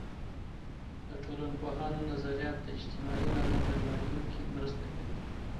د ټولنپوهانو نظریات د اجتماعي نظم په جوړیدو کي مرسته کوي.